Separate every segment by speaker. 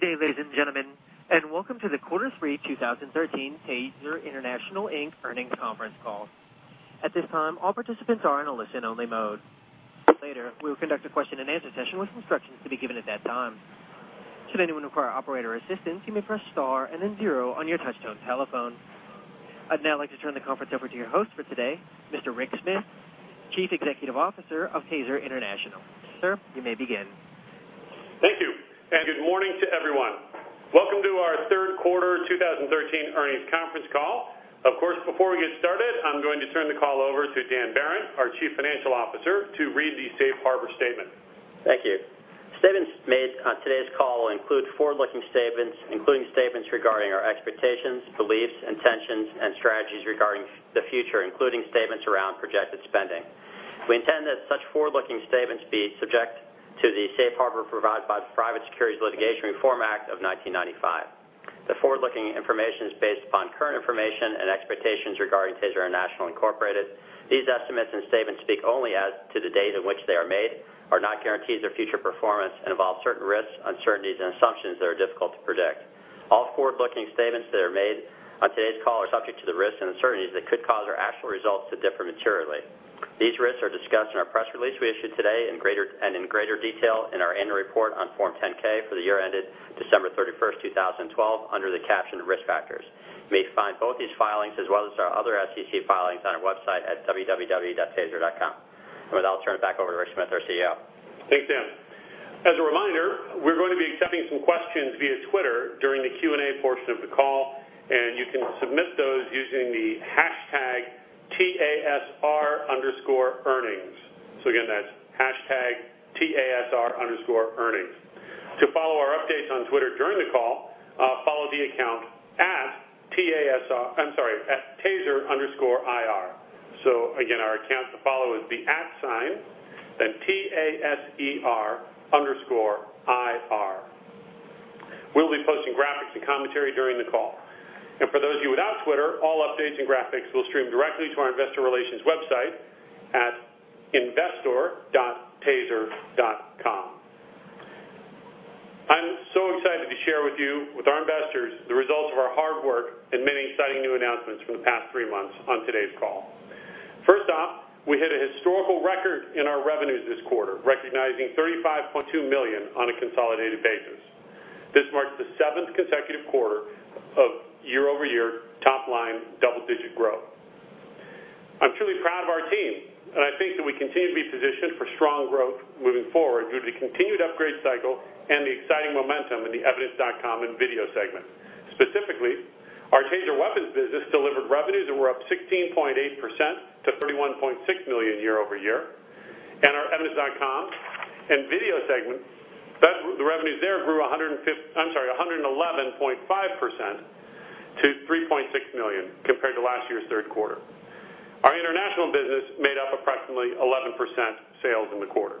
Speaker 1: Good day, ladies and gentlemen. Welcome to the Quarter 3 2013 TASER International, Inc. earnings conference call. At this time, all participants are in a listen-only mode. Later, we will conduct a question-and-answer session with instructions to be given at that time. Should anyone require operator assistance, you may press star and then zero on your touch-tone telephone. I'd now like to turn the conference over to your host for today, Mr. Rick Smith, Chief Executive Officer of TASER International. Sir, you may begin.
Speaker 2: Thank you. Good morning to everyone. Welcome to our third quarter 2013 earnings conference call. Of course, before we get started, I'm going to turn the call over to Dan Barron, our Chief Financial Officer, to read the safe harbor statement.
Speaker 3: Thank you. Statements made on today's call will include forward-looking statements, including statements regarding our expectations, beliefs, intentions, and strategies regarding the future, including statements around projected spending. We intend that such forward-looking statements be subject to the safe harbor provided by the Private Securities Litigation Reform Act of 1995. The forward-looking information is based upon current information and expectations regarding TASER International, Inc. These estimates and statements speak only as to the date at which they are made, are not guarantees of future performance, and involve certain risks, uncertainties, and assumptions that are difficult to predict. All forward-looking statements that are made on today's call are subject to the risks and uncertainties that could cause our actual results to differ materially. These risks are discussed in our press release we issued today and in greater detail in our annual report on Form 10-K for the year ended December 31, 2012, under the caption Risk Factors. You may find both these filings as well as our other SEC filings on our website at www.taser.com. With that, I'll turn it back over to Rick Smith, our CEO.
Speaker 2: Thanks, Dan. We're going to be accepting some questions via Twitter during the Q&A portion of the call, and you can submit those using the hashtag TASR_earnings. Again, that's TASR_earnings. To follow our updates on Twitter during the call, follow the account @taser_ir. Again, our account to follow is the @ sign, then T-A-S-E-R underscore I-R. We'll be posting graphics and commentary during the call. For those of you without Twitter, all updates and graphics will stream directly to our investor relations website at investor.taser.com. I'm so excited to share with you, with our investors, the results of our hard work and many exciting new announcements from the past three months on today's call. First off, we hit a historical record in our revenues this quarter, recognizing $35.2 million on a consolidated basis. This marks the seventh consecutive quarter of year-over-year top-line double-digit growth. I'm truly proud of our team, and I think that we continue to be positioned for strong growth moving forward due to the continued upgrade cycle and the exciting momentum in the Evidence.com and video segment. Specifically, our TASER Weapons business delivered revenues that were up 16.8% to $31.6 million year-over-year. Our Evidence.com and video segment, the revenues there grew 111.5% to $3.6 million compared to last year's third quarter. Our international business made up approximately 11% sales in the quarter.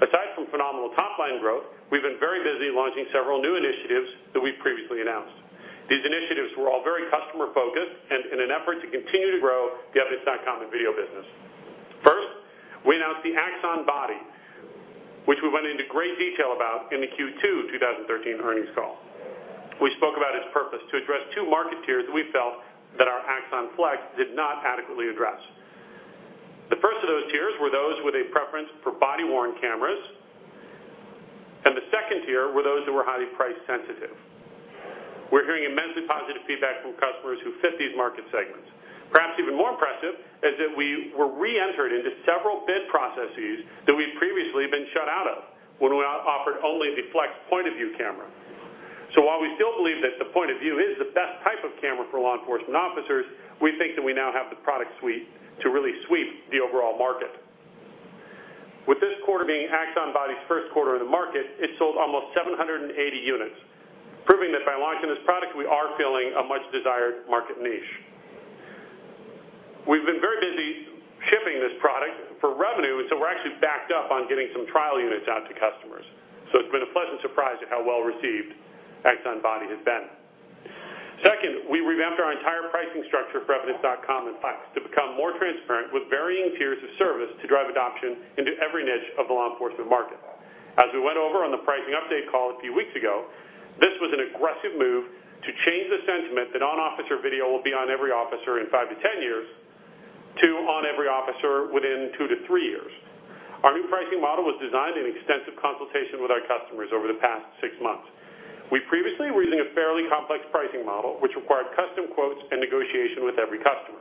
Speaker 2: Aside from phenomenal top-line growth, we've been very busy launching several new initiatives that we've previously announced. These initiatives were all very customer-focused and in an effort to continue to grow the Evidence.com and video business. First, we announced the Axon Body, which we went into great detail about in the Q2 2013 earnings call. We spoke about its purpose to address two market tiers that we felt that our Axon Flex did not adequately address. The first of those tiers were those with a preference for body-worn cameras, and the second tier were those who were highly price-sensitive. We're hearing immensely positive feedback from customers who fit these market segments. Perhaps even more impressive is that we were re-entered into several bid processes that we've previously been shut out of when we offered only the Flex point-of-view camera. While we still believe that the point of view is the best type of camera for law enforcement officers, we think that we now have the product suite to really sweep the overall market. With this quarter being Axon Body's first quarter in the market, it sold almost 780 units, proving that by launching this product, we are filling a much desired market niche. We've been very busy shipping this product for revenue, so we're actually backed up on getting some trial units out to customers. It's been a pleasant surprise at how well-received Axon Body has been. Second, we revamped our entire pricing structure for Evidence.com and Flex to become more transparent with varying tiers of service to drive adoption into every niche of the law enforcement market. As we went over on the pricing update call a few weeks ago, this was an aggressive move to change the sentiment that on-officer video will be on every officer in 5-10 years to on every officer within 2-3 years. Our new pricing model was designed in extensive consultation with our customers over the past six months. We previously were using a fairly complex pricing model, which required custom quotes and negotiation with every customer.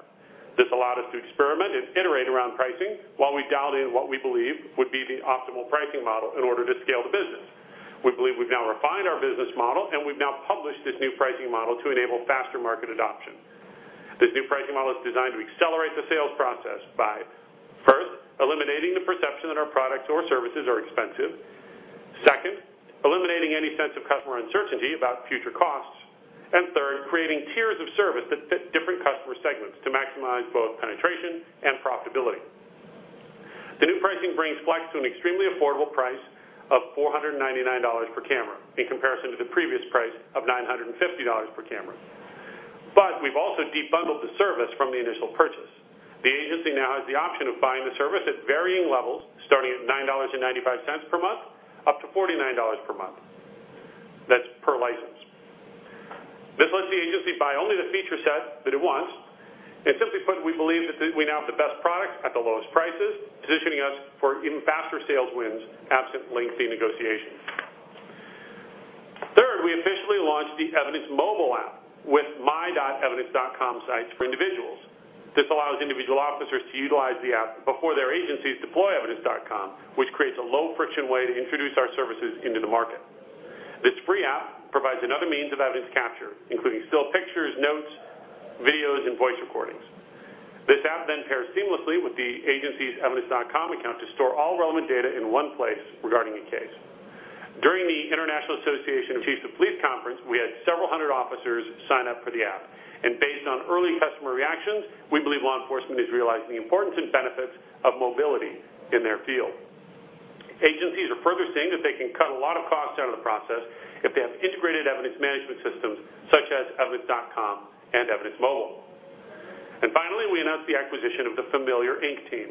Speaker 2: This allowed us to experiment and iterate around pricing while we dialed in what we believed would be the optimal pricing model in order to scale the business. We believe we've now refined our business model, we've now published this new pricing model to enable faster market adoption. This new pricing model is designed to accelerate the sales process by, first, eliminating the perception that our products or services are expensive. Second, eliminating any sense of customer uncertainty about future costs. Third, creating tiers of service that fit different customer segments to maximize both penetration and profitability. The new pricing brings Flex to an extremely affordable price of $499 per camera in comparison to $150 per camera. We've also de-bundled the service from the initial purchase. The agency now has the option of buying the service at varying levels, starting at $9.95 per month, up to $49 per month. That's per license. This lets the agency buy only the feature set that it wants. Simply put, we believe that we now have the best product at the lowest prices, positioning us for even faster sales wins, absent lengthy negotiations. Third, we officially launched the Axon Capture with Evidence.com sites for individuals. This allows individual officers to utilize the app before their agencies deploy Evidence.com, which creates a low-friction way to introduce our services into the market. This free app provides another means of evidence capture, including still pictures, notes, videos, and voice recordings. This app pairs seamlessly with the agency's Evidence.com account to store all relevant data in one place regarding a case. During the International Association of Chiefs of Police Conference, we had several hundred officers sign up for the app. Based on early customer reactions, we believe law enforcement is realizing the importance and benefits of mobility in their field. Agencies are further seeing that they can cut a lot of costs out of the process if they have integrated evidence management systems such as Evidence.com and Axon Capture. Finally, we announced the acquisition of the Familiar, Inc. team.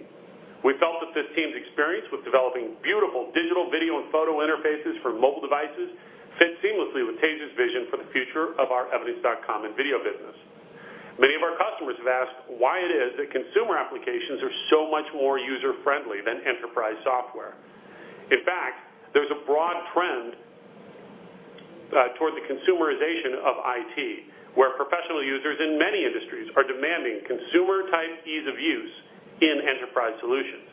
Speaker 2: Many of our customers have asked why it is that consumer applications are so much more user-friendly than enterprise software. In fact, there's a broad trend toward the consumerization of IT, where professional users in many industries are demanding consumer-type ease of use in enterprise solutions.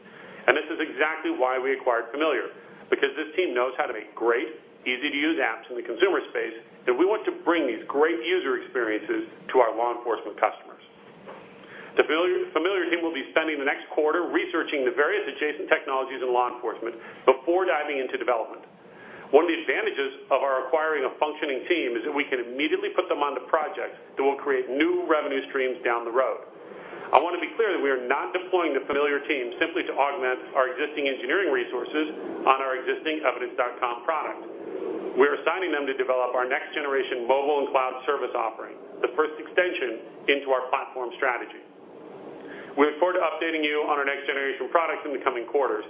Speaker 2: This is exactly why we acquired Familiar, because this team knows how to make great, easy-to-use apps in the consumer space, and we want to bring these great user experiences to our law enforcement customers. The Familiar team will be spending the next quarter researching the various adjacent technologies in law enforcement before diving into development. One of the advantages of our acquiring a functioning team is that we can immediately put them on the projects that will create new revenue streams down the road. I want to be clear that we are not deploying the Familiar team simply to augment our existing engineering resources on our existing Evidence.com product. We're assigning them to develop our next-generation mobile and cloud service offering, the first extension into our platform strategy. We look forward to updating you on our next-generation products in the coming quarters.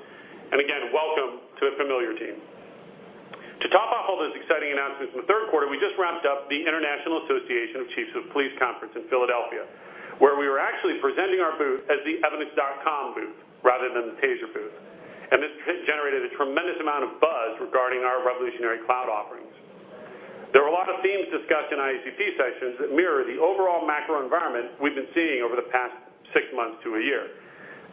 Speaker 2: Again, welcome to the Familiar team. To top off all those exciting announcements in the third quarter, we just wrapped up the International Association of Chiefs of Police Conference in Philadelphia, where we were actually presenting our booth as the Evidence.com booth rather than the TASER booth. This generated a tremendous amount of buzz regarding our revolutionary cloud offerings. There were a lot of themes discussed in IACP sessions that mirror the overall macro environment we've been seeing over the past six months to a year.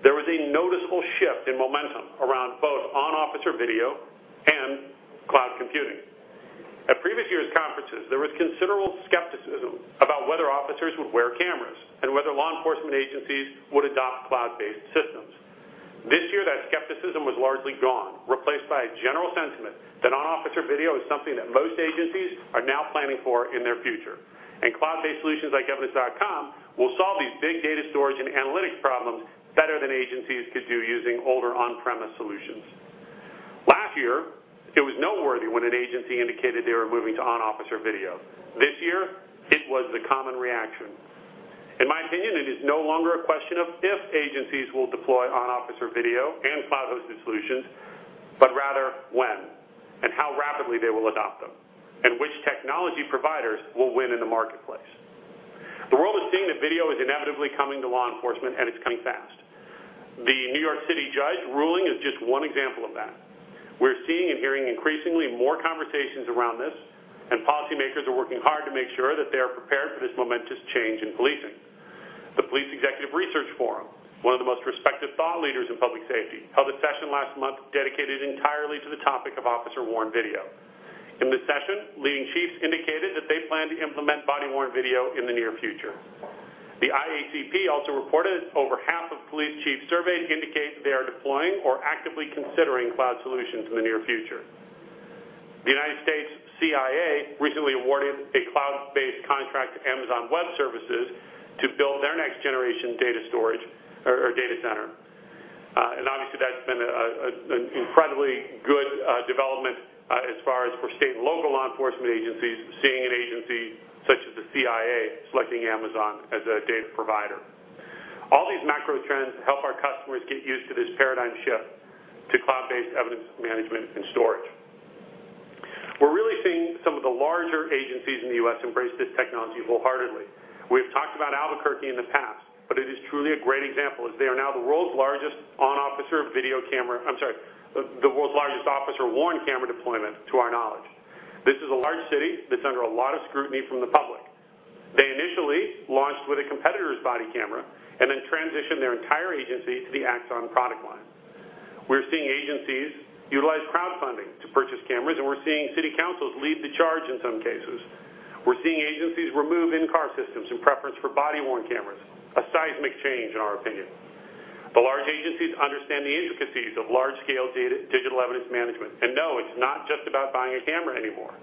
Speaker 2: There was a noticeable shift in momentum around both on-officer video and cloud computing. At previous years' conferences, there was considerable skepticism about whether officers would wear cameras and whether law enforcement agencies would adopt cloud-based systems. This year, that skepticism was largely gone, replaced by a general sentiment that on-officer video is something that most agencies are now planning for in their future. Cloud-based solutions like Evidence.com will solve these big data storage and analytics problems better than agencies could do using older on-premise solutions. Last year, it was noteworthy when an agency indicated they were moving to on-officer video. This year, it was the common reaction. In my opinion, it is no longer a question of if agencies will deploy on-officer video and cloud-hosted solutions, but rather when and how rapidly they will adopt them, and which technology providers will win in the marketplace. The world is seeing that video is inevitably coming to law enforcement, it's coming fast. The New York City judge ruling is just one example of that. We're seeing and hearing increasingly more conversations around this, policymakers are working hard to make sure that they are prepared for this momentous change in policing. The Police Executive Research Forum, one of the most respected thought leaders in public safety, held a session last month dedicated entirely to the topic of officer-worn video. In this session, leading chiefs indicated that they plan to implement body-worn video in the near future. The IACP also reported that over half of police chiefs surveyed indicate they are deploying or actively considering cloud solutions in the near future. The U.S. CIA recently awarded a cloud-based contract to Amazon Web Services to build their next-generation data storage or data center. Obviously, that's been an incredibly good development as far as for state and local law enforcement agencies, seeing an agency such as the CIA selecting Amazon as a data provider. All these macro trends help our customers get used to this paradigm shift to cloud-based evidence management and storage. We're really seeing some of the larger agencies in the U.S. embrace this technology wholeheartedly. We've talked about Albuquerque in the past, but it is truly a great example, as they are now the world's largest officer-worn camera deployment, to our knowledge. This is a large city that's under a lot of scrutiny from the public. They initially launched with a competitor's body camera and then transitioned their entire agency to the Axon product line. We're seeing agencies utilize crowdfunding to purchase cameras, and we're seeing city councils lead the charge in some cases. We're seeing agencies remove in-car systems in preference for body-worn cameras, a seismic change in our opinion. The large agencies understand the intricacies of large-scale digital evidence management and know it's not just about buying a camera anymore.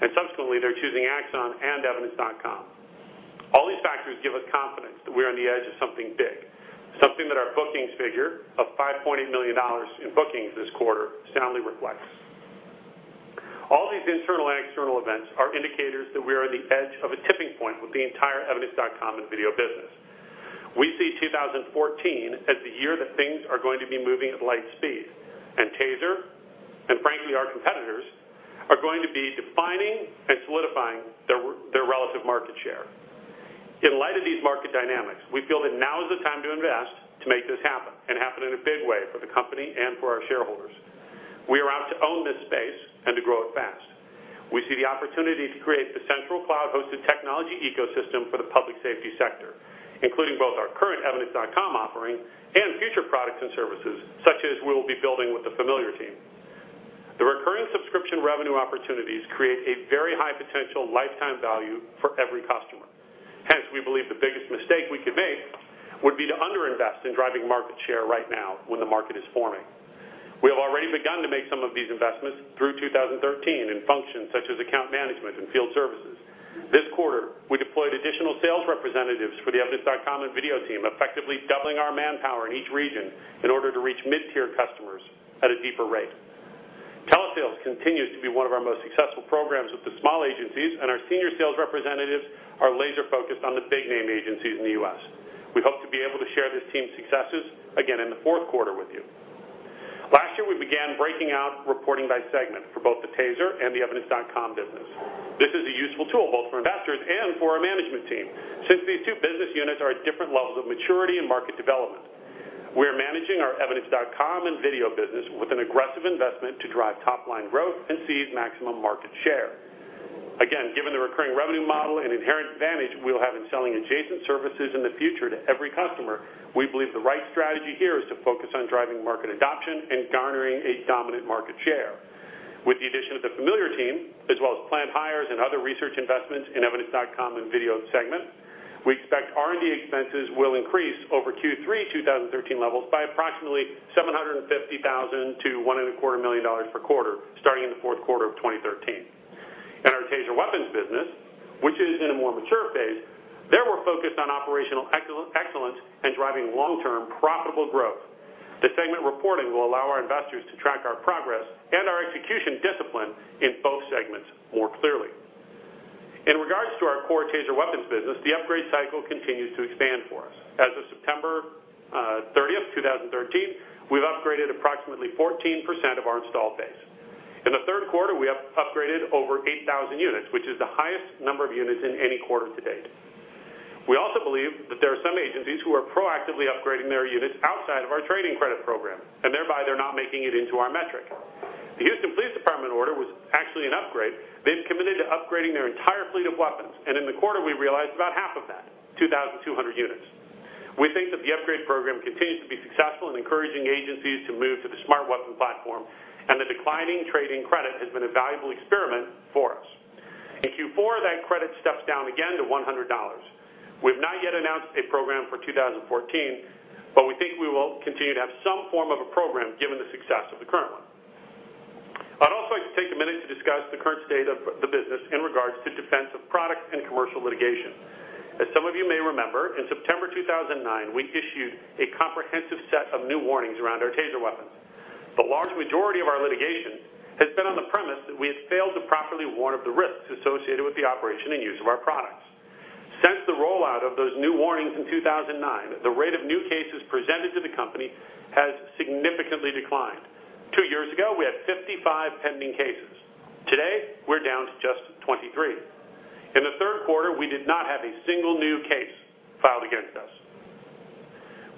Speaker 2: Subsequently, they're choosing Axon and Evidence.com. All these factors give us confidence that we're on the edge of something big, something that our bookings figure of $5.8 million in bookings this quarter soundly reflects. All these internal and external events are indicators that we are on the edge of a tipping point with the entire Evidence.com and video business. We see 2014 as the year that things are going to be moving at light speed. TASER, and frankly, our competitors, are going to be defining and solidifying their relative market share. In light of these market dynamics, we feel that now is the time to invest to make this happen, and happen in a big way for the company and for our shareholders. We are out to own this space and to grow it fast. We see the opportunity to create the central cloud-hosted technology ecosystem for the public safety sector, including both our current Evidence.com offering and future products and services such as we'll be building with the Familiar team. The recurring subscription revenue opportunities create a very high potential lifetime value for every customer. Hence, we believe the biggest mistake we could make would be to under-invest in driving market share right now when the market is forming. We have already begun to make some of these investments through 2013 in functions such as account management and field services. This quarter, we deployed additional sales representatives for the Evidence.com and Video team, effectively doubling our manpower in each region in order to reach mid-tier customers at a deeper rate. Telesales continues to be one of our most successful programs with the small agencies. Our senior sales representatives are laser-focused on the big-name agencies in the U.S. We hope to be able to share this team's successes again in the fourth quarter with you. Last year, we began breaking out reporting by segment for both the TASER and the Evidence.com business. This is a useful tool both for investors and for our management team, since these two business units are at different levels of maturity and market development. We're managing our Evidence.com and Video business with an aggressive investment to drive top-line growth and seize maximum market share. Again, given the recurring revenue model and inherent advantage we'll have in selling adjacent services in the future to every customer, we believe the right strategy here is to focus on driving market adoption and garnering a dominant market share. With the addition of the Familiar team, as well as planned hires and other research investments in Evidence.com and Video segment, we expect R&D expenses will increase over Q3 2013 levels by approximately $750,000-$1.25 million per quarter, starting in the fourth quarter of 2013. In our TASER weapons business, which is in a more mature phase, there we're focused on operational excellence and driving long-term profitable growth. The segment reporting will allow our investors to track our progress and our execution discipline in both segments more clearly. In regards to our core TASER weapons business, the upgrade cycle continues to expand for us. As of September 30th, 2013, we've upgraded approximately 14% of our installed base. In the third quarter, we have upgraded over 8,000 units, which is the highest number of units in any quarter to date. We also believe that there are some agencies who are proactively upgrading their units outside of our trade-in credit program, and thereby, they're not making it into our metric. The Houston Police Department order was actually an upgrade. They've committed to upgrading their entire fleet of weapons, and in the quarter, we realized about half of that, 2,200 units. We think that the upgrade program continues to be successful in encouraging agencies to move to the Smart Weapon platform, and the declining trade-in credit has been a valuable experiment for us. In Q4, that credit steps down again to $100. We've not yet announced a program for 2014, but we think we will continue to have some form of a program given the success of the current one. I'd also like to take a minute to discuss the current state of the business in regards to defensive product and commercial litigation. As some of you may remember, in September 2009, we issued a comprehensive set of new warnings around our TASER weapons. The large majority of our litigation has been on the premise that we have failed to properly warn of the risks associated with the operation and use of our products. Since the rollout of those new warnings in 2009, the rate of new cases presented to the company has significantly declined. Two years ago, we had 55 pending cases. Today, we're down to just 23. In the third quarter, we did not have a single new case filed against us.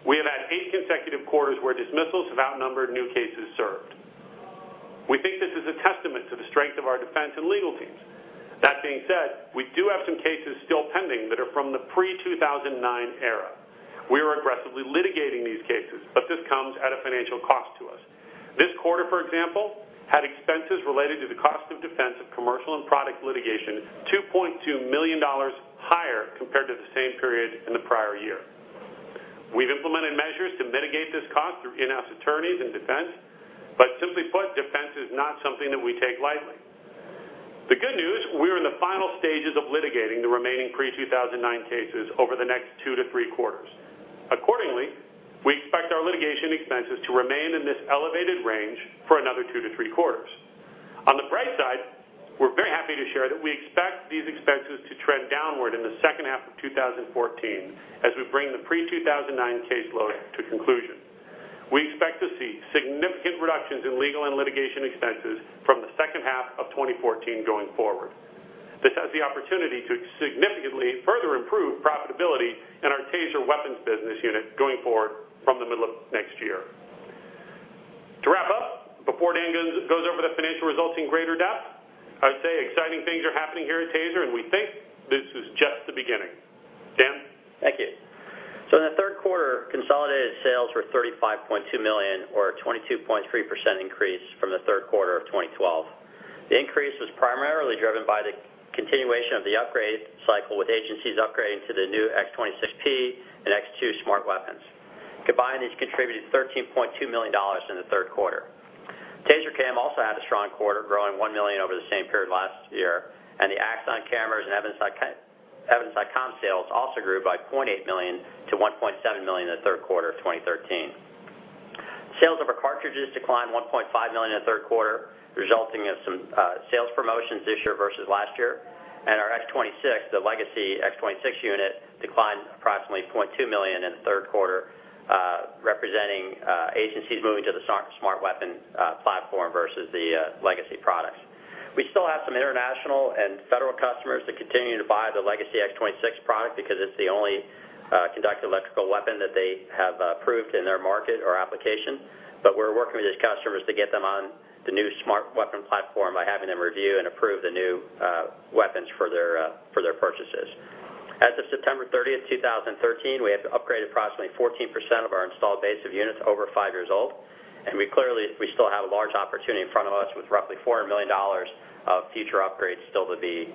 Speaker 2: We have had eight consecutive quarters where dismissals have outnumbered new cases served. We think this is a testament to the strength of our defense and legal teams. That being said, we do have some cases still pending that are from the pre-2009 era. We are aggressively litigating these cases, but this comes at a financial cost to us. This quarter, for example, had expenses related to the cost of defense of commercial and product litigation, $2.2 million higher compared to the same period in the prior year. We've implemented measures to mitigate this cost through in-house attorneys and defense, but simply put, defense is not something that we take lightly. The good news, we're in the final stages of litigating the remaining pre-2009 cases over the next two to three quarters. Accordingly, we expect our litigation expenses to remain in this elevated range for another two to three quarters. On the bright side, we're very happy to share that we expect these expenses to trend downward in the second half of 2014 as we bring the pre-2009 caseload to conclusion. We expect to see significant reductions in legal and litigation expenses from the second half of 2014 going forward. This has the opportunity to significantly further improve profitability in our TASER weapons business unit going forward from the middle of next year. To wrap up, before Dan goes over the financial results in greater depth, I would say exciting things are happening here at TASER, and we think this is just the beginning. Dan?
Speaker 3: Thank you. In the third quarter, consolidated sales were $35.2 million or a 22.3% increase from the third quarter of 2012. The increase was primarily driven by the continuation of the upgrade cycle with agencies upgrading to the new X26P and X2 Smart Weapons. combined is contributed $13.2 million in the third quarter. TASER CAM also had a strong quarter, growing $1 million over the same period last year, and the Axon cameras and Evidence.com sales also grew by $0.8 million to $1.7 million in the third quarter of 2013. Sales of our cartridges declined $1.5 million in the third quarter, resulting in some sales promotions this year versus last year. Our X26, the legacy X26 unit, declined approximately $0.2 million in the third quarter, representing agencies moving to the Smart Weapon platform versus the legacy products. We still have some international and federal customers that continue to buy the legacy X26 product because it's the only conducted electrical weapon that they have approved in their market or application. We're working with these customers to get them on the new Smart Weapon platform by having them review and approve the new weapons for their purchases. As of September 30th, 2013, we have to upgrade approximately 14% of our installed base of units over five years old. We clearly still have a large opportunity in front of us with roughly $400 million of future upgrades still to be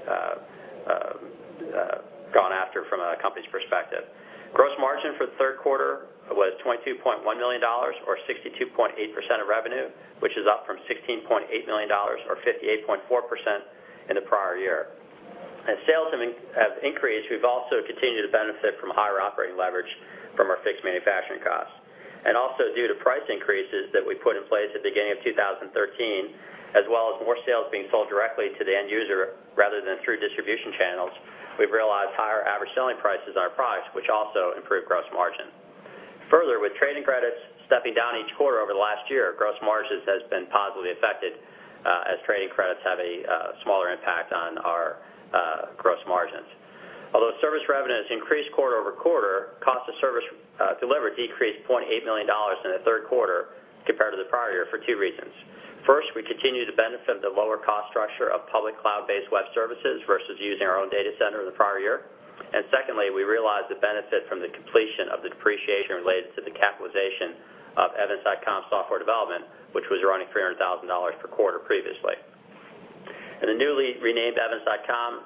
Speaker 3: gone after from a company's perspective. Gross margin for the third quarter was $22.1 million, or 62.8% of revenue, which is up from $16.8 million, or 58.4% in the prior year. As sales have increased, we've also continued to benefit from higher operating leverage from our fixed manufacturing costs. Also due to price increases that we put in place at the beginning of 2013, as well as more sales being sold directly to the end user rather than through distribution channels, we've realized higher average selling prices on our products, which also improved gross margin. Further, with trading credits stepping down each quarter over the last year, gross margins has been positively affected as trading credits have a smaller impact on our gross margins. Although service revenue has increased quarter-over-quarter, cost of service delivered decreased $0.8 million in the third quarter compared to the prior year for two reasons. First, we continue to benefit the lower cost structure of public cloud-based web services versus using our own data center in the prior year. Secondly, we realized the benefit from the completion of the depreciation related to the capitalization of Evidence.com software development, which was running $300,000 per quarter previously. In the newly renamed Evidence.com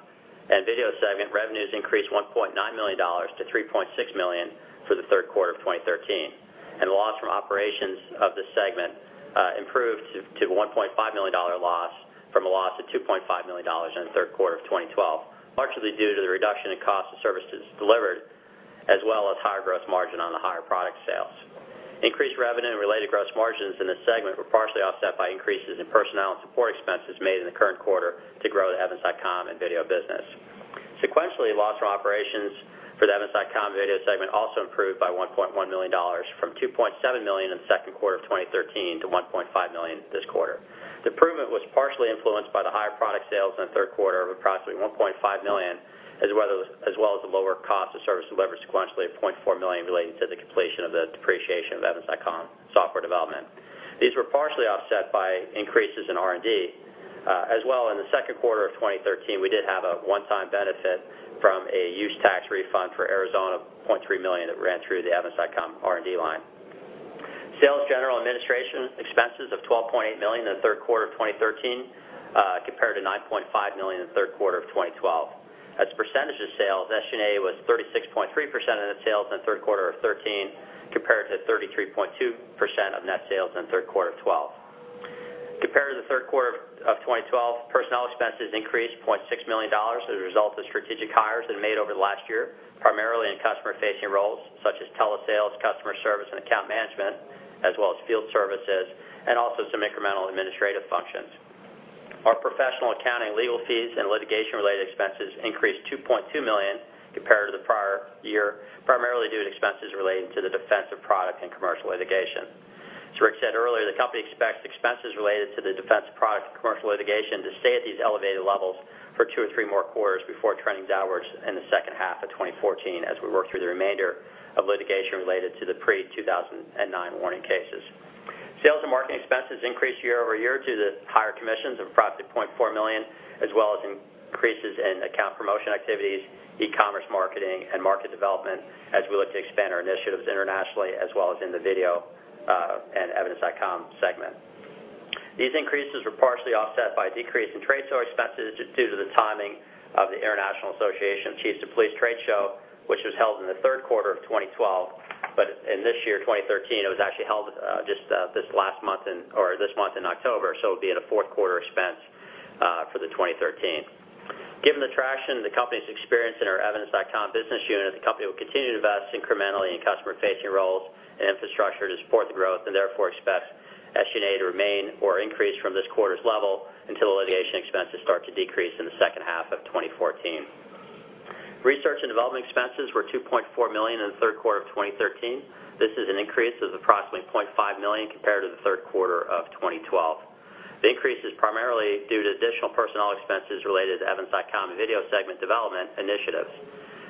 Speaker 3: and Video segment, revenues increased $1.9 million to $3.6 million for the third quarter of 2013. The loss from operations of the segment improved to a $1.5 million loss from a loss of $2.5 million in the third quarter of 2012, largely due to the reduction in cost of services delivered, as well as higher gross margin on the higher product sales. Increased revenue and related gross margins in this segment were partially offset by increases in personnel and support expenses made in the current quarter to grow the Evidence.com and Video business. Sequentially, loss from operations for the Evidence.com Video segment also improved by $1.1 million from $2.7 million in the second quarter of 2013 to $1.5 million this quarter. The improvement was partially influenced by the higher product sales in the third quarter of approximately $1.5 million, as well as the lower cost of service and leverage sequentially of $0.4 million relating to the completion of the depreciation of Evidence.com software development. These were partially offset by increases in R&D. In the second quarter of 2013, we did have a one-time benefit from a use tax refund for Arizona, $0.3 million that ran through the Evidence.com R&D line. Sales general administration expenses of $12.8 million in the third quarter of 2013, compared to $9.5 million in the third quarter of 2012. As a percentage of sales, SG&A was 36.3% of net sales in the third quarter of 2013, compared to 33.2% of net sales in the third quarter of 2012. Compared to the third quarter of 2012, personnel expenses increased $0.6 million as a result of strategic hires that were made over the last year, primarily in customer-facing roles such as telesales, customer service, and account management, as well as field services, and also some incremental administrative functions. Our professional accounting, legal fees, and litigation-related expenses increased $2.2 million compared to the prior year, primarily due to expenses relating to the defensive product and commercial litigation. As Rick said earlier, the company expects expenses related to the defense product and commercial litigation to stay at these elevated levels for two or three more quarters before trending downwards in the second half of 2014 as we work through the remainder of litigation related to the pre-2009 warning cases. Sales and marketing expenses increased year-over-year due to the higher commissions of approximately $0.4 million, as well as increases in account promotion activities, e-commerce marketing, and market development as we look to expand our initiatives internationally as well as in the Video and Evidence.com segment. These increases were partially offset by a decrease in trade show expenses due to the timing of the International Association of Chiefs of Police trade show, which was held in the third quarter of 2012. In this year, 2013, it was actually held this month in October, so it'll be in the fourth quarter expense for the 2013. Given the traction the company's experienced in our Evidence.com business unit, the company will continue to invest incrementally in customer-facing roles and infrastructure to support the growth, and therefore expects SG&A to remain or increase from this quarter's level until litigation expenses start to decrease in the second half of 2014. Research and development expenses were $2.4 million in the third quarter of 2013. This is an increase of approximately $0.5 million compared to the third quarter of 2012. The increase is primarily due to additional personnel expenses related to Evidence.com and Video segment development initiatives.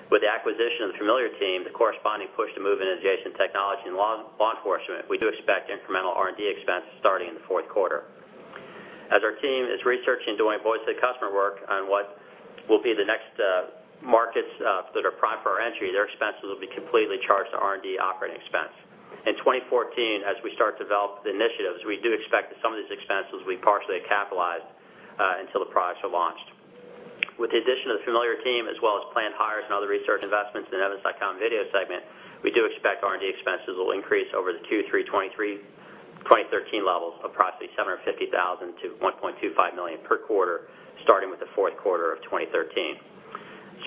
Speaker 3: With the acquisition of the Familiar team, the corresponding push to move into adjacent technology and law enforcement, we do expect incremental R&D expenses starting in the fourth quarter. As our team is researching doing voice of the customer work on what will be the next markets that are prime for our entry, their expenses will be completely charged to R&D operating expense. In 2014, as we start to develop the initiatives, we do expect that some of these expenses will be partially capitalized until the products are launched. With the addition of the Familiar team, as well as planned hires and other research investments in the Evidence.com video segment, we do expect R&D expenses will increase over the Q3 2013 levels of approximately $750,000 to $1.25 million per quarter, starting with the fourth quarter of 2013.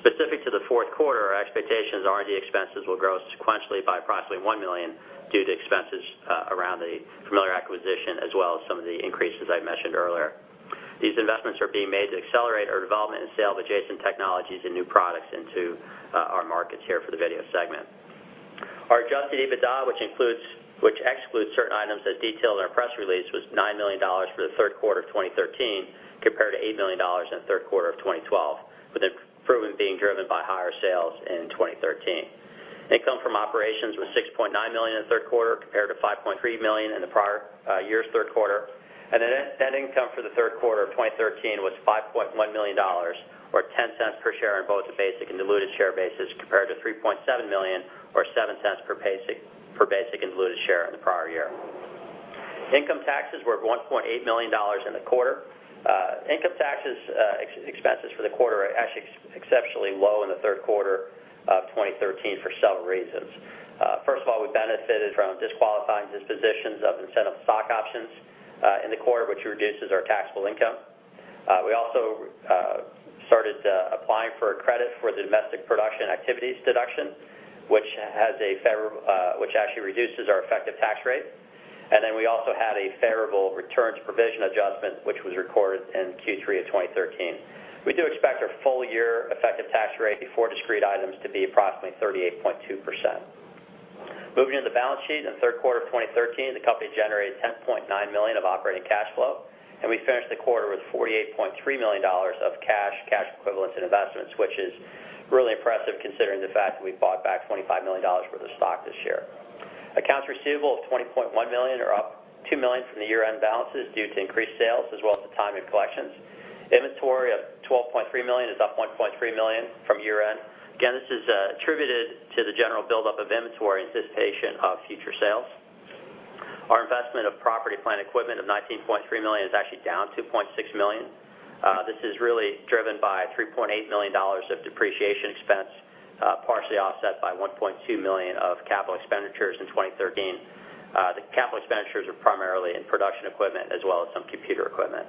Speaker 3: Specific to the fourth quarter, our expectations are R&D expenses will grow sequentially by approximately $1 million due to expenses around the Familiar acquisition, as well as some of the increases I mentioned earlier. These investments are being made to accelerate our development and sale of adjacent technologies and new products into our markets here for the video segment. Our adjusted EBITDA, which excludes certain items as detailed in our press release, was $9 million for the third quarter of 2013, compared to $8 million in the third quarter of 2012, with improvement being driven by higher sales in 2013. Income from operations was $6.9 million in the third quarter compared to $5.3 million in the prior year's third quarter. Net income for the third quarter of 2013 was $5.1 million, or $0.10 per share on both a basic and diluted share basis, compared to $3.7 million or $0.07 per basic and diluted share in the prior year. Income taxes were $1.8 million in the quarter. Income taxes expenses for the quarter are actually exceptionally low in the third quarter of 2013 for several reasons. First of all, we benefited from disqualifying dispositions of incentive stock options in the quarter, which reduces our taxable income. We also started applying for a credit for the Domestic Production Activities Deduction, which actually reduces our effective tax rate. We also had a favorable returns provision adjustment, which was recorded in Q3 of 2013. We do expect our full-year effective tax rate before discrete items to be approximately 38.2%. Moving to the balance sheet. In the third quarter of 2013, the company generated $10.9 million of operating cash flow, and we finished the quarter with $48.3 million of cash equivalents, and investments, which is really impressive considering the fact that we bought back $25 million worth of stock this year. Accounts receivable of $20.1 million are up $2 million from the year-end balances due to increased sales as well as the timing of collections. Inventory of $12.3 million is up $1.3 million from year-end. Again, this is attributed to the general buildup of inventory in anticipation of future sales. Our investment of property, plant, equipment of $19.3 million is actually down $2.6 million. This is really driven by $3.8 million of depreciation expense, partially offset by $1.2 million of capital expenditures in 2013. The capital expenditures are primarily in production equipment as well as some computer equipment.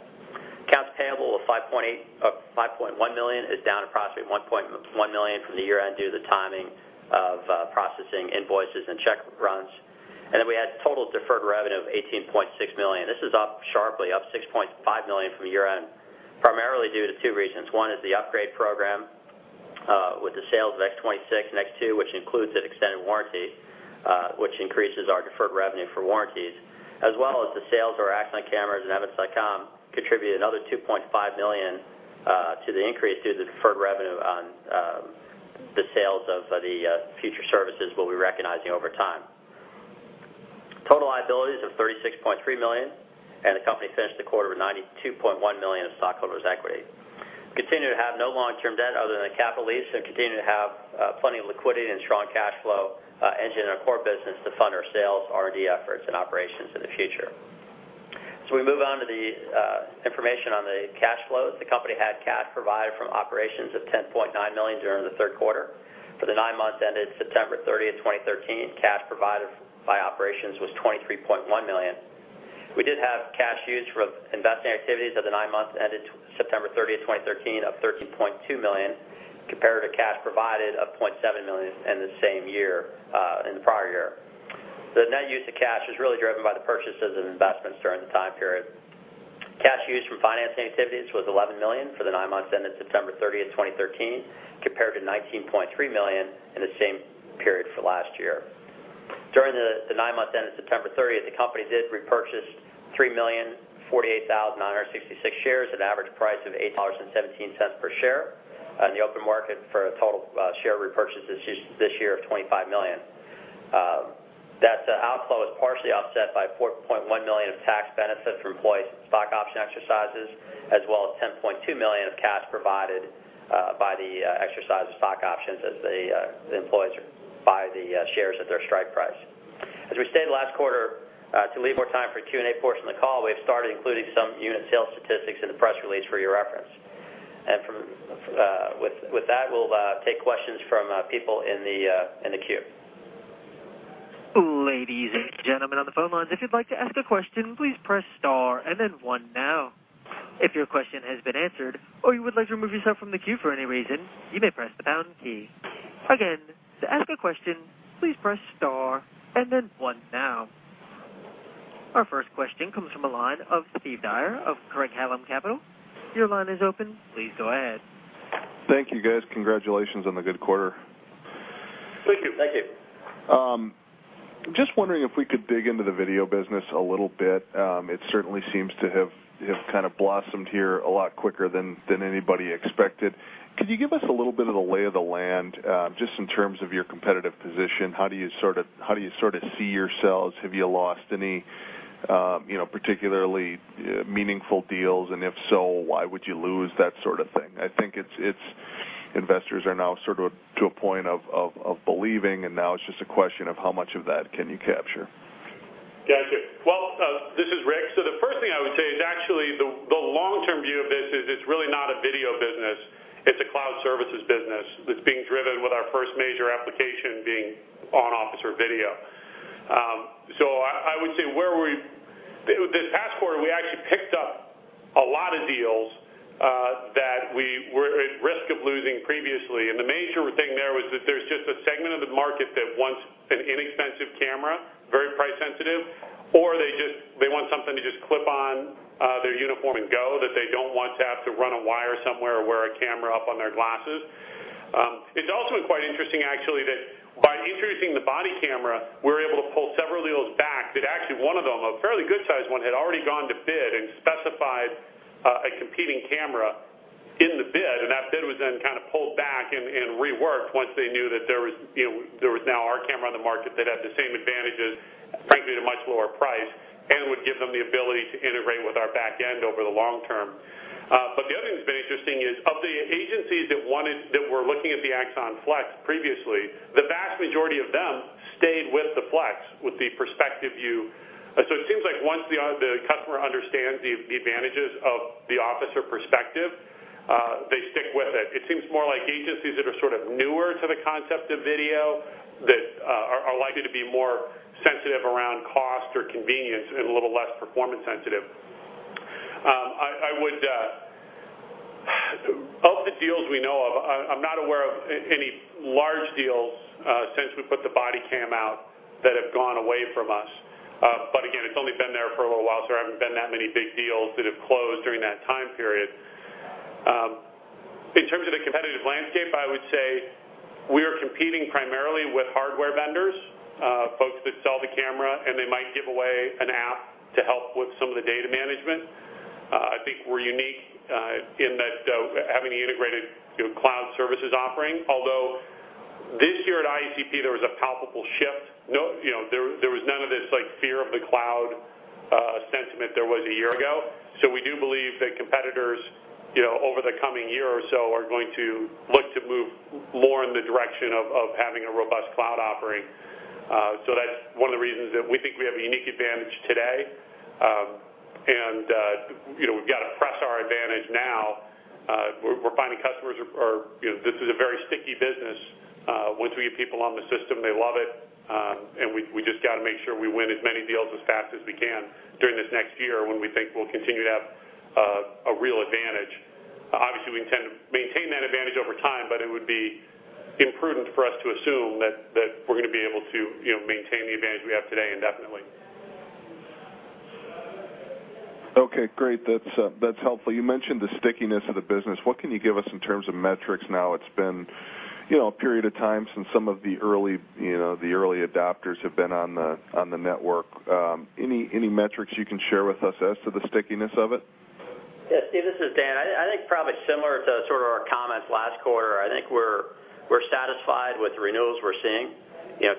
Speaker 3: Accounts payable of $5.1 million is down approximately $1.1 million from the year-end due to the timing of processing invoices and check runs. We had total deferred revenue of $18.6 million. This is up sharply, up $6.5 million from the year-end, primarily due to two reasons. One is the upgrade program with the sales of X26 and X2, which includes that extended warranty which increases our deferred revenue for warranties. The sales of our Axon cameras and Evidence.com contribute another $2.5 million to the increase due to the deferred revenue on the sales of the future services we'll be recognizing over time. Total liabilities of $36.3 million, the company finished the quarter with $92.1 million in stockholders' equity. We continue to have no long-term debt other than a capital lease and continue to have plenty of liquidity and a strong cash flow engine in our core business to fund our sales, R&D efforts, and operations in the future. We move on to the information on the cash flows, the company had cash provided from operations of $10.9 million during the third quarter. For the nine months ended September 30th, 2013, cash provided by operations was $23.1 million. We did have cash used for investing activities for the nine months ended September 30th, 2013, of $13.2 million, compared to cash provided of $0.7 million in the prior year. The net use of cash is really driven by the purchases and investments during the time period. Cash used from financing activities was $11 million for the nine months ended September 30th, 2013, compared to $19.3 million in the same period for last year. During the nine months ended September 30th, the company did repurchase 3,048,966 shares at an average price of $8.17 per share on the open market for a total share repurchase this year of $25 million. That outflow is partially offset by $4.1 million of tax benefits from employee stock option exercises, as well as $10.2 million of cash provided by the exercise of stock options as the employees buy the shares at their strike price. We stated last quarter, to leave more time for Q&A portion of the call, we have started including some unit sales statistics in the press release for your reference. With that, we'll take questions from people in the queue.
Speaker 1: Ladies and gentlemen on the phone lines, if you'd like to ask a question, please press star and then one now. If your question has been answered or you would like to remove yourself from the queue for any reason, you may press the pound key. Again, to ask a question, please press star and then one now. Our first question comes from the line of Steve Dyer of Craig-Hallum Capital. Your line is open. Please go ahead.
Speaker 4: Thank you, guys. Congratulations on the good quarter.
Speaker 1: Thank you.
Speaker 4: Thank you. Just wondering if we could dig into the video business a little bit. It certainly seems to have kind of blossomed here a lot quicker than anybody expected. Could you give us a little bit of the lay of the land, just in terms of your competitive position? How do you sort of see yourselves? Have you lost any particularly meaningful deals, and if so, why would you lose? That sort of thing. I think investors are now sort of to a point of believing, and now it's just a question of how much of that can you capture.
Speaker 2: Yeah, sure. Well, this is Rick. The first thing I would say is actually the long-term view of this is it's really not a video business, it's a cloud services business that's being driven with our first major application being on officer video. I would say this past quarter, we actually picked up a lot of deals that we were at risk of losing previously, and the major thing there was that there's just a segment of the market that wants an inexpensive camera, very price sensitive, or they want something to just clip on their uniform and go, that they don't want to have to run a wire somewhere or wear a camera up on their glasses. It's also been quite interesting, actually, that by introducing the body camera, we were able to pull several deals back that actually one of them, a fairly good-sized one, had already gone to bid and specified a competing camera in the bid. That bid was then kind of pulled back and reworked once they knew that there was now our camera on the market that had the same advantages, frankly, at a much lower price, and would give them the ability to integrate with our back end over the long term. The other thing that's been interesting is of the agencies that were looking at the Axon Flex previously, the vast majority of them stayed with the Axon Flex with the perspective view. It seems like once the customer understands the advantages of the officer perspective, they stick with it. It seems more like agencies that are sort of newer to the concept of video, that are likely to be more sensitive around cost or convenience, and a little less performance sensitive. Of the deals we know of, I'm not aware of any large deals since we put the body cam out that have gone away from us. Again, it's only been there for a little while, there haven't been that many big deals that have closed during that time period. In terms of the competitive landscape, I would say we are competing primarily with hardware vendors, folks that sell the camera, and they might give away an app to help with some of the data management. I think we're unique in that having the integrated cloud services offering. Although this year at IACP, there was a palpable shift. There was none of this fear of the cloud sentiment there was a year ago. We do believe that competitors over the coming year or so are going to look to move more in the direction of having a robust cloud offering. That's one of the reasons that we think we have a unique advantage today, and we've got to press our advantage now. We're finding this is a very sticky business. Once we get people on the system, they love it, and we just got to make sure we win as many deals as fast as we can during this next year when we think we'll continue to have a real advantage. Obviously, we intend to maintain that advantage over time, it would be imprudent for us to assume that we're going to be able to maintain the advantage we have today indefinitely.
Speaker 4: Okay, great. That's helpful. You mentioned the stickiness of the business. What can you give us in terms of metrics now? It's been a period of time since some of the early adopters have been on the network. Any metrics you can share with us as to the stickiness of it?
Speaker 3: Yeah. Steve, this is Dan. Probably similar to our comments last quarter, I think we're satisfied with the renewals we're seeing.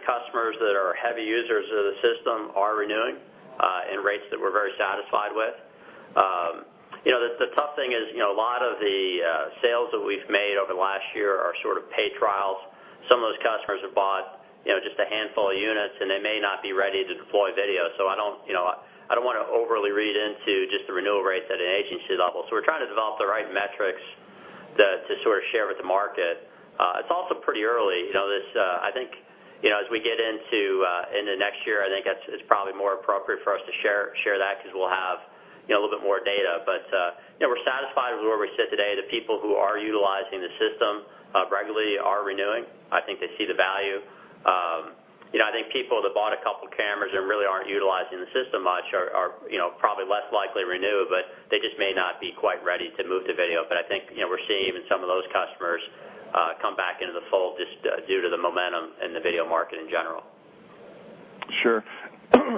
Speaker 3: Customers that are heavy users of the system are renewing in rates that we're very satisfied with. The tough thing is a lot of the sales that we've made over the last year are pay trials. Some of those customers have bought just a handful of units, and they may not be ready to deploy video. I don't want to overly read into just the renewal rates at an agency level. We're trying to develop the right metrics to share with the market. It's also pretty early. As we get into next year, I think it's probably more appropriate for us to share that because we'll have a little bit more data. We're satisfied with where we sit today. The people who are utilizing the system regularly are renewing. I think they see the value. I think people that bought a couple cameras and really aren't utilizing the system much are probably less likely to renew, but they just may not be quite ready to move to video. I think we're seeing even some of those customers come back into the fold just due to the momentum in the video market in general.
Speaker 4: Sure.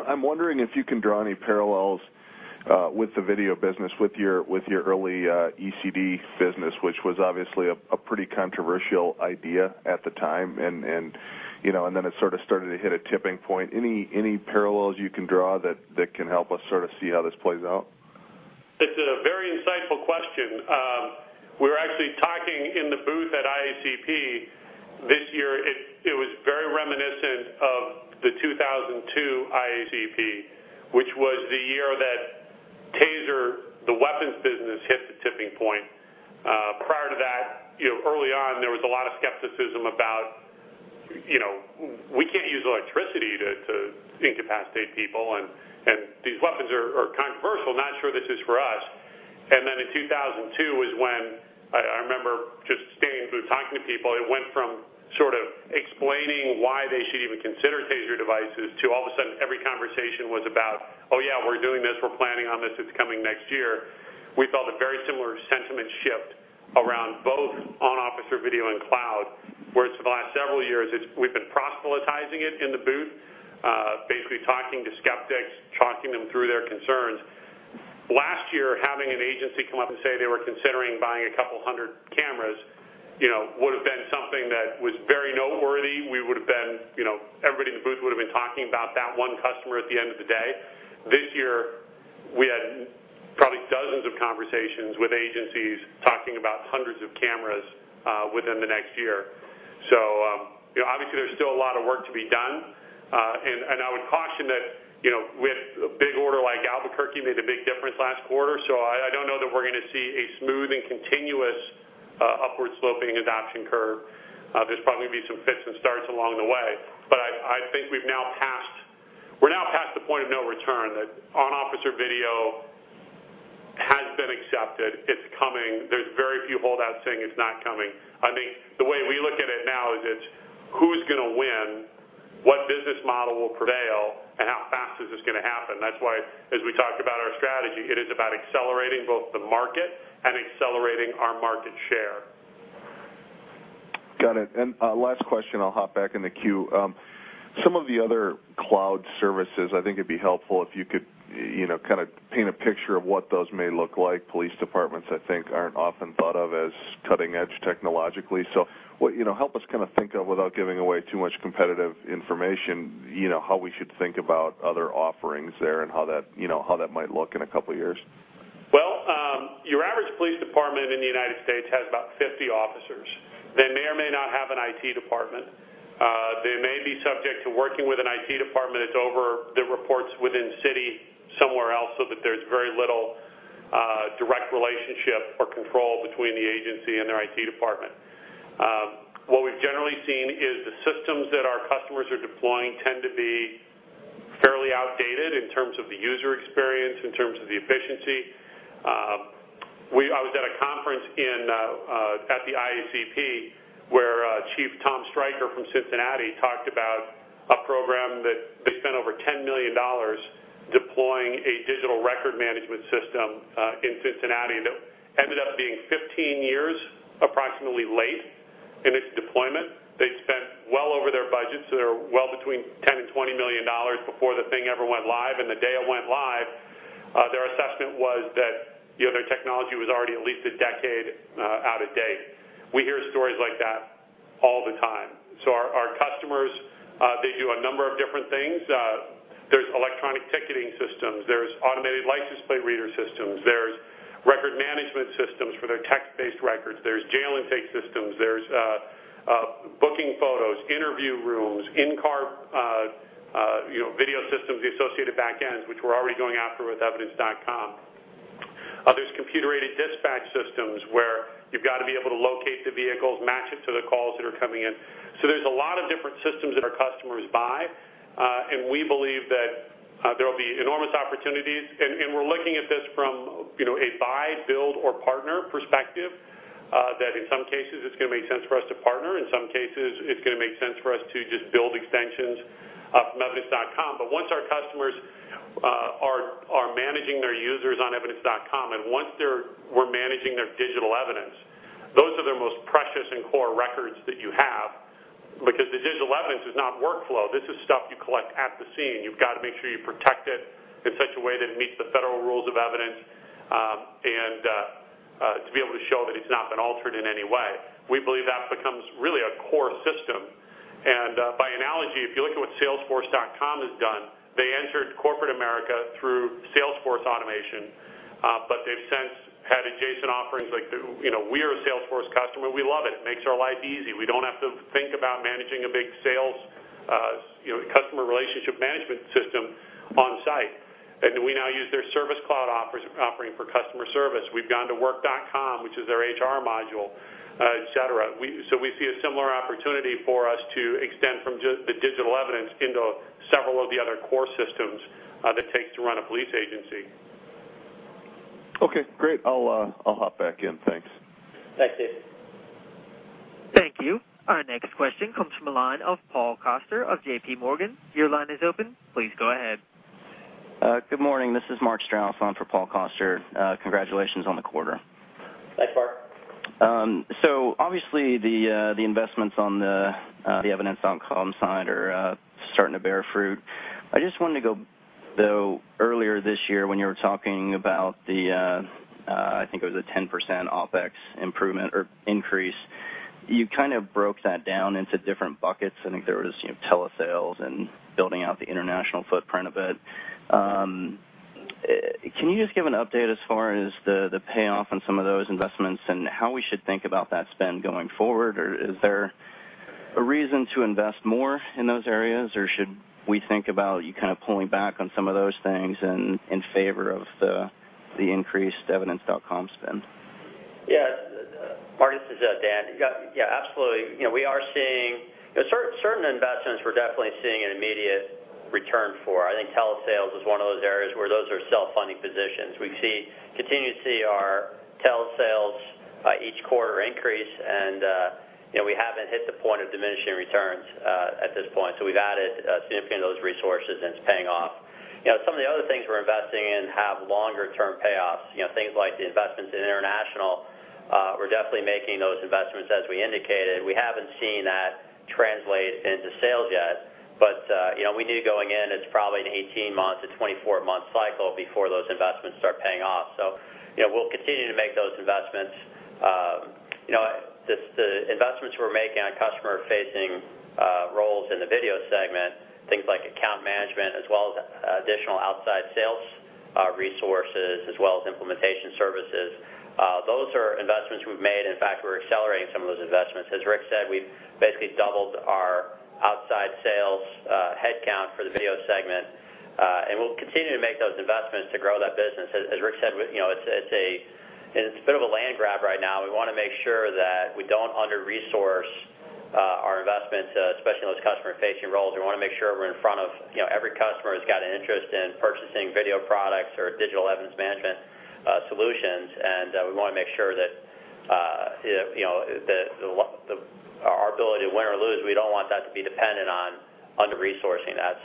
Speaker 4: I'm wondering if you can draw any parallels with the video business, with your early ECD business, which was obviously a pretty controversial idea at the time, and then it started to hit a tipping point. Any parallels you can draw that can help us see how this plays out?
Speaker 2: It's a very insightful question. We were actually talking in the booth at IACP this year. It was very reminiscent of the 2002 IACP, which was the year that TASER, the weapons business, hit the tipping point. Prior to that, early on, there was a lot of skepticism about, "We can't use electricity to incapacitate people, and these weapons are controversial. Not sure this is for us." In 2002 was when I remember just standing in the booth talking to people. It went from sort of explaining why they should even consider TASER devices to all of a sudden every conversation was about, "Oh, yeah, we're doing this. We're planning on this. It's coming next year." We felt a very similar sentiment shift around both on-officer video and cloud, whereas for the last several years, we've been proselytizing it in the booth, basically talking to skeptics, talking them through their concerns. Last year, having an agency come up and say they were considering buying 200 cameras would have been something that was very noteworthy. Everybody in the booth would've been talking about that one customer at the end of the day. This year, we had conversations with agencies talking about hundreds of cameras within the next year. Obviously, there's still a lot of work to be done, and I would caution that with a big order like Albuquerque made a big difference last quarter. I don't know that we're going to see a smooth and continuous upward-sloping adoption curve. There's probably going to be some fits and starts along the way. I think we're now past the point of no return, that on-officer video has been accepted. It's coming. There's very few holdouts saying it's not coming. I think the way we look at it now is, who's going to win? What business model will prevail, and how fast is this going to happen? That's why, as we talked about our strategy, it is about accelerating both the market and accelerating our market share.
Speaker 4: Got it. Last question, I'll hop back in the queue. Some of the other cloud services, I think it'd be helpful if you could kind of paint a picture of what those may look like. Police departments, I think, aren't often thought of as cutting-edge technologically. Help us think of, without giving away too much competitive information, how we should think about other offerings there and how that might look in 2 years.
Speaker 2: Well, your average police department in the United States has about 50 officers. They may or may not have an IT department. They may be subject to working with an IT department that's over the reports within city, somewhere else, so that there's very little direct relationship or control between the agency and their IT department. What we've generally seen is the systems that our customers are deploying tend to be fairly outdated in terms of the user experience, in terms of the efficiency. I was at a conference at the IACP, where Chief Tom Streicher from Cincinnati talked about a program that they spent over $10 million deploying a digital record management system in Cincinnati, that ended up being 15 years approximately late in its deployment. They spent well over their budget, so they're well between $10 million and $20 million before the thing ever went live. The day it went live, their assessment was that their technology was already at least a decade out of date. We hear stories like that all the time. Our customers, they do a number of different things. There's electronic ticketing systems. There's automated license plate reader systems. There's record management systems for their text-based records. There's jail intake systems. There's booking photos, interview rooms, in-car video systems, the associated back ends, which we're already going after with evidence.com. There's computer-aided dispatch systems, where you've got to be able to locate the vehicles, match it to the calls that are coming in. There's a lot of different systems that our customers buy, and we believe that there will be enormous opportunities. We're looking at this from a buy, build, or partner perspective, that in some cases, it's going to make sense for us to partner. In some cases, it's going to make sense for us to just build extensions from evidence.com. Once our customers are managing their users on evidence.com, and once we're managing their digital evidence, those are their most precious and core records that you have, because the digital evidence is not workflow. This is stuff you collect at the scene. You've got to make sure you protect it in such a way that it meets the federal rules of evidence, and to be able to show that it's not been altered in any way. We believe that becomes really a core system, and by analogy, if you look at what salesforce.com has done, they entered corporate America through sales force automation, but they've since had adjacent offerings. We're a Salesforce customer. We love it. It makes our lives easy. We don't have to think about managing a big sales customer relationship management system on-site. We now use their service cloud offering for customer service. We've gone to Work.com, which is their HR module, et cetera. We see a similar opportunity for us to extend from just the digital evidence into several of the other core systems that takes to run a police agency.
Speaker 4: Okay, great. I'll hop back in. Thanks.
Speaker 3: Thanks, Steve.
Speaker 1: Thank you. Our next question comes from the line of Paul Coster of J.P. Morgan. Your line is open. Please go ahead.
Speaker 5: Good morning. This is Mark Strouse on for Paul Coster. Congratulations on the quarter.
Speaker 3: Thanks, Mark.
Speaker 5: Obviously, the investments on the Evidence.com side are starting to bear fruit. I just wanted to go, though, earlier this year, when you were talking about the, I think it was a 10% OpEx improvement or increase. You kind of broke that down into different buckets. I think there was telesales and building out the international footprint a bit. Can you just give an update as far as the payoff on some of those investments and how we should think about that spend going forward? Or is there a reason to invest more in those areas, or should we think about you kind of pulling back on some of those things in favor of the increased Evidence.com spend?
Speaker 3: Yeah. Mark, this is Dan. Yeah, absolutely. Certain investments we're definitely seeing an immediate return for. I think telesales is one of those areas where those are self-funding positions. We continue to see our telesales by each quarter increase, and we haven't hit the point of diminishing returns at this point. We've added a significant of those resources, and it's paying off. Some of the other things we're investing in have longer-term payoffs, things like the investments in international. We're definitely making those investments, as we indicated. We haven't seen that translate into sales yet, but we knew going in it's probably an 18-month to 24-month cycle before those investments start paying off. We'll continue to make those investments. The investments we're making on customer-facing roles in the video segment, things like account management, as well as additional outside sales resources, as well as implementation services, those are investments we've made. In fact, we're accelerating some of those investments. As Rick said, we've basically doubled our outside sales headcount for the video segment, and we'll continue to make those investments to grow that business. As Rick said, it's a bit of a land grab right now. We want to make sure that we don't under-resource our investments, especially in those customer-facing roles. We want to make sure we're in front of every customer who's got an interest in purchasing video products or digital evidence management solutions. We want to make sure that our ability to win or lose, we don't want that to be dependent on under-resourcing that.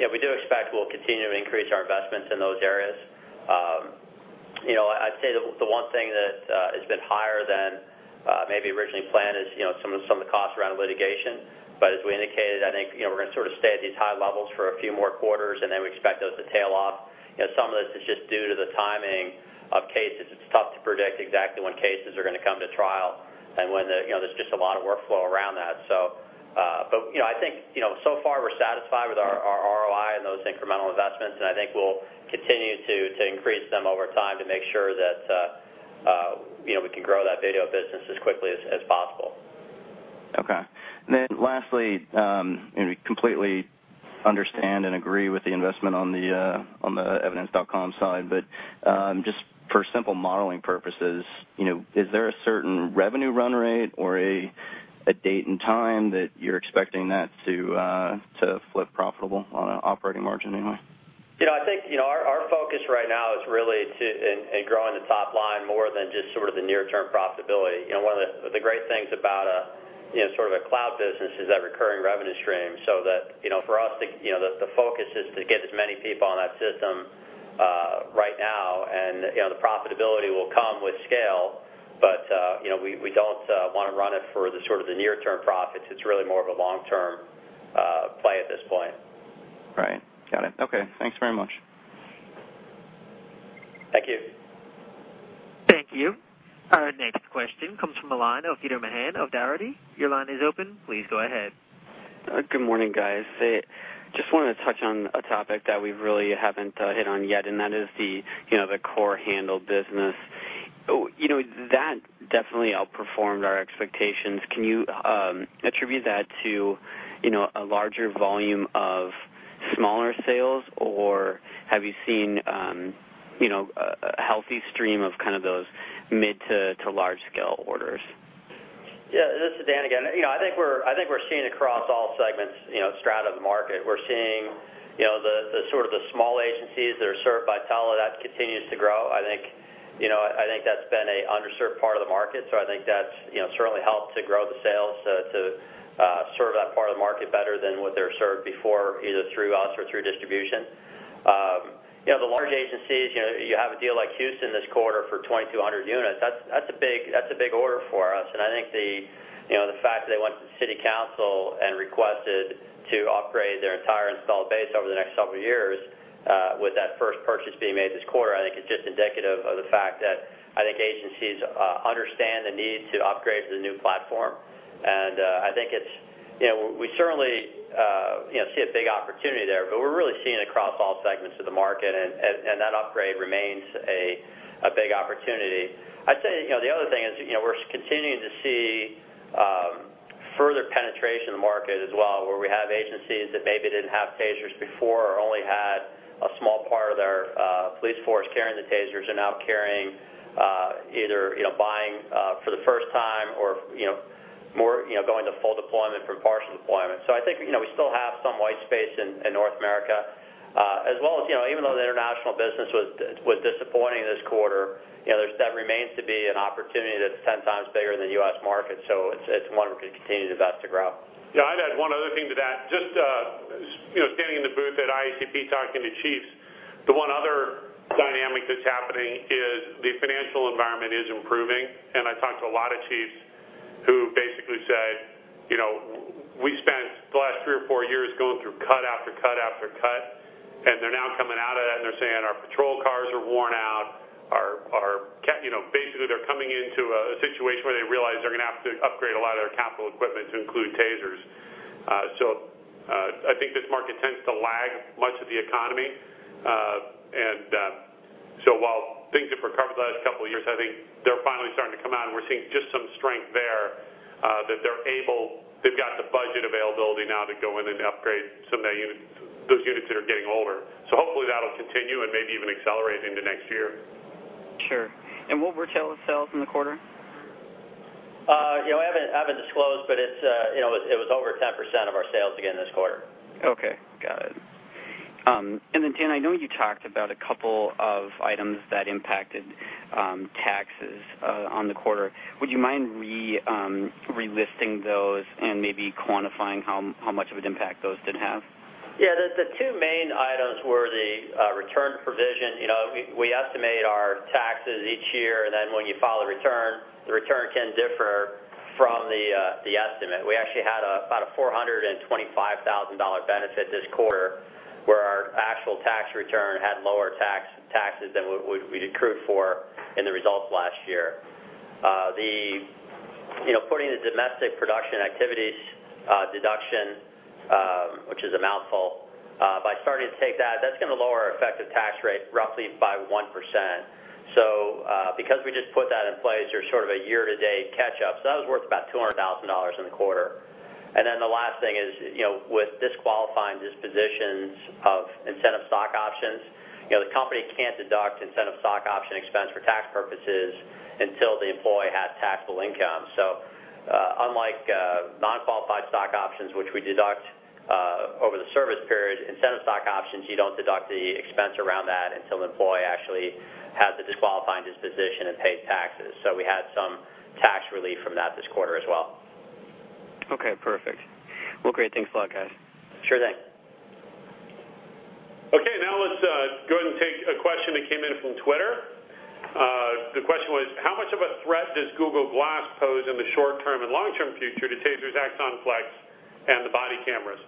Speaker 3: We do expect we'll continue to increase our investments in those areas. I'd say the one thing that has been higher than maybe originally planned is some of the costs around litigation. As we indicated, I think we're going to sort of stay at these high levels for a few more quarters, and then we expect those to tail off. Some of this is just due to the timing of cases. It's tough to predict exactly when cases are going to come to trial, and there's just a lot of workflow around that. I think so far, we're satisfied with our ROI and those incremental investments, and I think we'll continue to increase them over time to make sure that we can grow that video business as quickly as possible.
Speaker 5: Okay. Lastly, we completely understand and agree with the investment on the Evidence.com side, but just for simple modeling purposes, is there a certain revenue run rate or a date and time that you're expecting that to flip profitable on an operating margin anyway?
Speaker 3: I think our focus right now is really in growing the top line more than just sort of the near-term profitability. One of the great things about a cloud business is that recurring revenue stream, so that for us, the focus is to get as many people on that system right now. The profitability will come with scale, but we don't want to run it for the sort of the near-term profits. It's really more of a long-term play at this point.
Speaker 5: Right. Got it. Okay. Thanks very much.
Speaker 3: Thank you.
Speaker 1: Thank you. Our next question comes from the line of Peter Mahon of Dougherty. Your line is open. Please go ahead.
Speaker 6: Good morning, guys. Just wanted to touch on a topic that we really haven't hit on yet, that is the core Lineage business. That definitely outperformed our expectations. Can you attribute that to a larger volume of smaller sales, or have you seen a healthy stream of kind of those mid to large-scale orders?
Speaker 3: This is Dan again. I think we're seeing across all segments strata of the market. We're seeing the sort of the small agencies that are served by Telo, that continues to grow. I think that's been an underserved part of the market. I think that's certainly helped to grow the sales to serve that part of the market better than what they were served before, either through us or through distribution. The large agencies, you have a deal like Houston this quarter for 2,200 units. That's a big order for us, I think the fact that they went to city council and requested to upgrade their entire installed base over the next several years, with that first purchase being made this quarter, I think is just indicative of the fact that I think agencies understand the need to upgrade to the new platform. We certainly see a big opportunity there, we're really seeing across all segments of the market, and that upgrade remains a big opportunity. I'd say the other thing is we're continuing to see further penetration in the market as well, where we have agencies that maybe didn't have TASERs before or only had a small part of their police force carrying the TASERs are now either buying for the first time or going to full deployment from partial deployment. I think we still have some white space in North America. As well as even though the international business was disappointing this quarter, that remains to be an opportunity that's 10 times bigger than the U.S. market. It's one we're going to continue to invest to grow.
Speaker 2: I'd add one other thing to that. Just standing in the booth at IACP talking to chiefs, the one other dynamic that's happening is the financial environment is improving, and I talked to a lot of chiefs who basically said, "We spent the last three or four years going through cut after cut after cut," and they're now coming out of that, and they're saying, "Our patrol cars are worn out." Basically, they're coming into a situation where they realize they're going to have to upgrade a lot of their capital equipment to include TASERs. I think this market tends to lag much of the economy. While things have recovered the last couple of years, I think they're finally starting to come out, and we're seeing just some strength there, that they've got the budget availability now to go in and upgrade some of those units that are getting older. Hopefully, that'll continue and maybe even accelerate into next year.
Speaker 6: Sure. What were Telo's sales in the quarter?
Speaker 3: It was over 10% of our sales again this quarter.
Speaker 6: Okay. Got it. Dan, I know you talked about a couple of items that impacted taxes on the quarter. Would you mind re-listing those and maybe quantifying how much of an impact those did have?
Speaker 3: Yeah. The two main items were the return provision. We estimate our taxes each year, when you file the return, the return can differ from the estimate. We actually had about a $425,000 benefit this quarter, where our actual tax return had lower taxes than we'd accrued for in the results last year. Putting the Domestic Production Activities Deduction, which is a mouthful, starting to take that's going to lower our effective tax rate roughly by 1%. Because we just put that in place, there's sort of a year-to-date catch-up. That was worth about $200,000 in the quarter. The last thing is, with disqualifying dispositions of incentive stock options, the company can't deduct incentive stock option expense for tax purposes until the employee has taxable income. Unlike non-qualified stock options, which we deduct over the service period, incentive stock options, you don't deduct the expense around that until the employee actually has a disqualifying disposition and pays taxes. We had some tax relief from that this quarter as well.
Speaker 6: Okay, perfect. Well, great. Thanks a lot, guys.
Speaker 3: Sure thing.
Speaker 2: Okay. Now let's go ahead and take a question that came in from Twitter. The question was, how much of a threat does Google Glass pose in the short-term and long-term future to TASER's Axon Flex and the body cameras?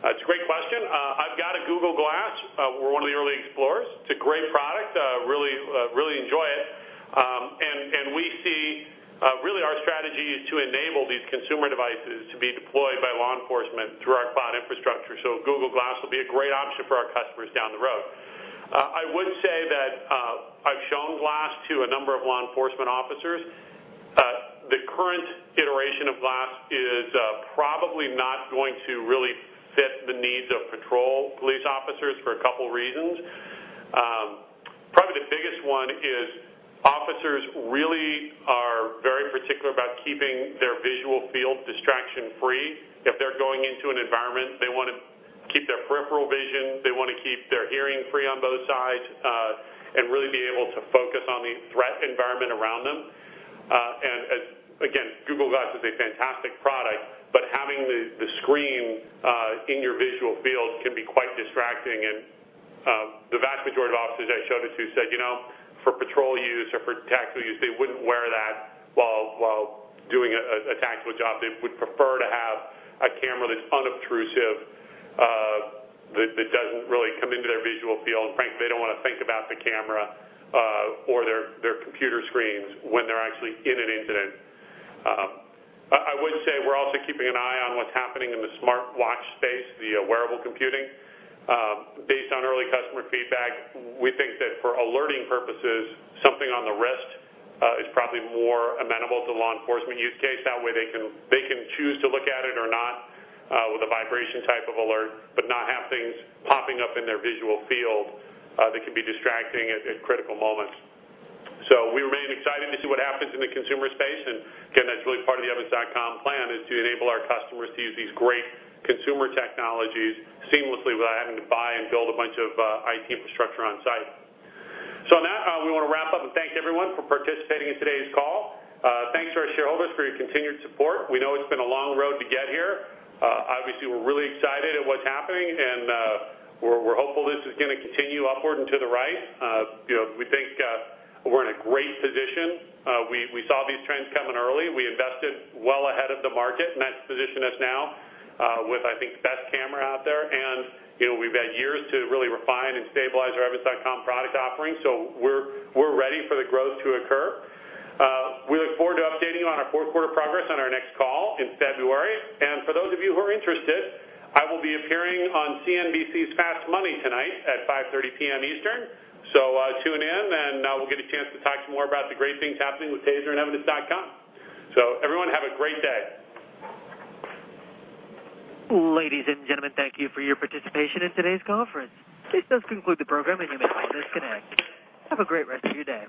Speaker 2: It's a great question. I've got a Google Glass. We're one of the early explorers. It's a great product. Really enjoy it. Really our strategy is to enable these consumer devices to be deployed by law enforcement through our cloud infrastructure. Google Glass will be a great option for our customers down the road. I would say that I've shown Glass to a number of law enforcement officers. The current iteration of Glass is probably not going to really fit the needs of patrol police officers for a couple of reasons. Probably the biggest one is officers really are very particular about keeping their visual field distraction-free. If they're going into an environment, they want to keep their peripheral vision, they want to keep their hearing free on both sides, and really be able to focus on the threat environment around them. Again, Google Glass is a fantastic product, having the screen in your visual field can be quite distracting, the vast majority of officers I showed it to said for patrol use or for tactical use, they wouldn't wear that while doing a tactical job. They would prefer to have a camera that's unobtrusive, that doesn't really come into their visual field, and frankly, they don't want to think about the camera, or their computer screens when they're actually in an incident. I would say we're also keeping an eye on what's happening in the smartwatch space, the wearable computing. Based on early customer feedback, we think that for alerting purposes, something on the wrist is probably more amenable to law enforcement use case. That way, they can choose to look at it or not with a vibration type of alert, but not have things popping up in their visual field that can be distracting at critical moments. We remain excited to see what happens in the consumer space, and again, that's really part of the Evidence.com plan is to enable our customers to use these great consumer technologies seamlessly without having to buy and build a bunch of IT infrastructure on site. On that, we want to wrap up and thank everyone for participating in today's call. Thanks to our shareholders for your continued support. We know it's been a long road to get here. Obviously, we're really excited at what's happening, and we're hopeful this is going to continue upward and to the right. We think we're in a great position. We saw these trends coming early. We invested well ahead of the market, and that's positioned us now with, I think, the best camera out there. We've had years to really refine and stabilize our Evidence.com product offering, so we're ready for the growth to occur. We look forward to updating you on our fourth quarter progress on our next call in February. For those of you who are interested, I will be appearing on CNBC's Fast Money tonight at 5:30 P.M. Eastern. Tune in, and we'll get a chance to talk some more about the great things happening with Taser and Evidence.com. Everyone have a great day.
Speaker 1: Ladies and gentlemen, thank you for your participation in today's conference. This does conclude the program, and you may disconnect. Have a great rest of your day.